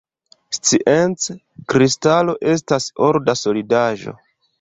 Science, kristalo estas orda solidaĵo.